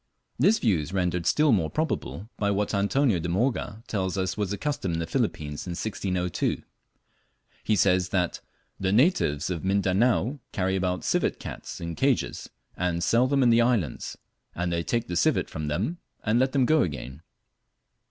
This view is rendered still more probable by what Antonio de Morga tells us was the custom in the Philippines in 1602. He says that "the natives of Mindanao carry about civet cats in cages, and sell them in the islands; and they take the civet from them, and let them go again."